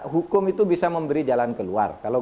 hukum itu bisa memberi jalan keluar kalau